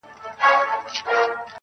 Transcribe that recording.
• حروف د ساز له سوره ووتل سرکښه سوله_